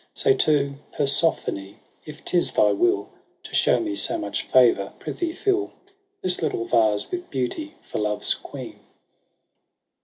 Say to Persephonfe, If 'tis thy 'will To shenxj me so much favour^ frithee fill This little vase 'with beauty for Love's queen.